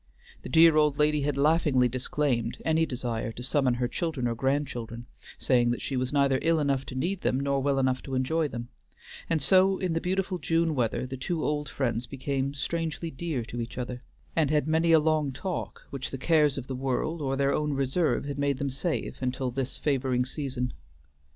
The dear old lady had laughingly disclaimed any desire to summon her children or grandchildren, saying that she was neither ill enough to need them, nor well enough to enjoy them; and so in the beautiful June weather the two old friends became strangely dear to each other, and had many a long talk which the cares of the world or their own reserve had made them save until this favoring season.